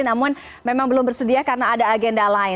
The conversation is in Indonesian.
namun memang belum bersedia karena ada agenda lain